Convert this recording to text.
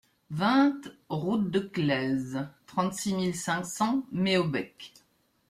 vingt route de Claise, trente-six mille cinq cents Méobecq